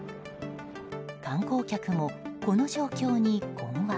観光客も、この状況に困惑。